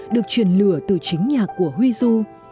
được truyền lửa từ chính nhạc của huy du